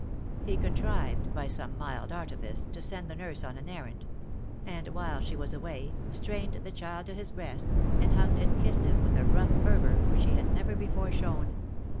He contrived, by some mild artifice, to send the nurse on an errand ; and while she was away, strained the child to his breast, and hugged and kissed him with a rough fervour which he had never before shown.